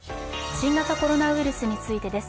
新型コロナウイルスについてです。